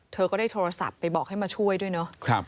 เธอก็ได้โทรศัพท์ไปบอกให้มาช่วยด้วยเนาะ